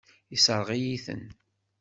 Yessṛeɣ-iyi-ten.